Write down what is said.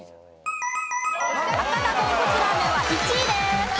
博多豚骨ラーメンは１位です。